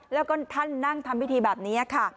แล้วก็ท่านนั่งทำพิธีแบบนี้ค่ะ